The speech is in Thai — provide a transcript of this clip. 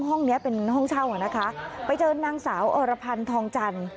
ห้องเนี้ยเป็นห้องเช่าอ่ะนะคะไปเจอนางสาวอรพันธ์ทองจันทร์